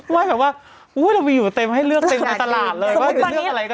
ไม่แบบว่าอู้ยเราไปอยู่เต็มให้เลือกเต็มตลาดเลย